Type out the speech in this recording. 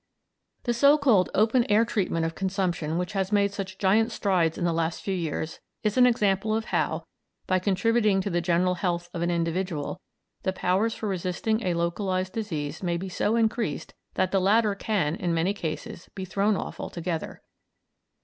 The so called open air treatment of consumption which has made such giant strides in the last few years is an example of how, by contributing to the general health of an individual, the powers for resisting a localised disease may be so increased that the latter can, in many cases, be thrown off altogether.